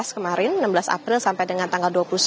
kemarin enam belas april sampai dengan tanggal dua puluh satu